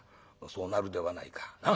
「そうなるではないか。なあ？